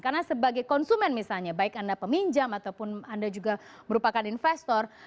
karena sebagai konsumen misalnya baik anda peminjam ataupun anda juga merupakan investor